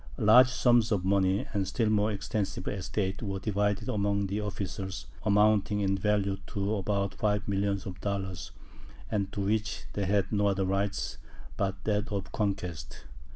Large sums of money, and still more extensive estates, were divided among the officers, amounting in value to about five millions of dollars, and to which they had no other right but that of conquest.